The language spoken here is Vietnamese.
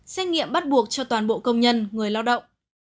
xét nghiệm bắt buộc cho toàn bộ công nhân người lao động